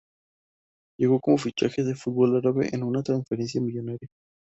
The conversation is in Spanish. Llegó como fichaje al fútbol árabe, en una transferencia millonaria.